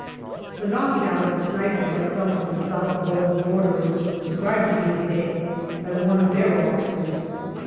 The knocking out of a sniper by some of the South Wales Borderers was described to me to day by one of their officers.